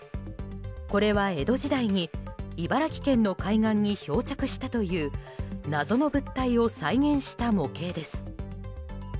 これは江戸時代に茨城県の海岸に漂着したという謎の物体を再現した模型です。